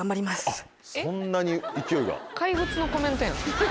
あっそんなに勢いが。